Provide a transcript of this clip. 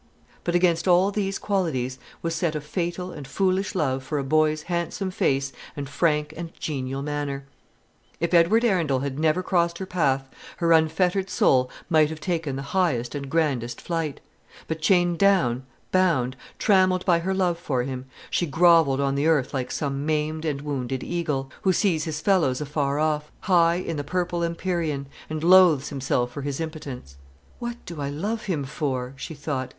But against all these qualities was set a fatal and foolish love for a boy's handsome face and frank and genial manner. If Edward Arundel had never crossed her path, her unfettered soul might have taken the highest and grandest flight; but, chained down, bound, trammelled by her love for him, she grovelled on the earth like some maimed and wounded eagle, who sees his fellows afar off, high in the purple empyrean, and loathes himself for his impotence. "What do I love him for?" she thought.